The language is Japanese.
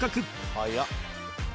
「早っ！」